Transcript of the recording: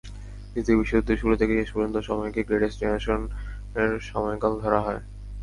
দ্বিতীয় বিশ্বযুদ্ধের শুরু থেকে শেষ পর্যন্ত সময়কে গ্রেটেস্ট জেনারেশনের সময়কাল ধরা হয়।